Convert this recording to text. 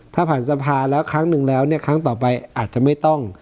ถ้าผ่านสภาแล้วครั้งหนึ่งแล้วเนี่ยครั้งต่อไปอาจจะไม่ต้อง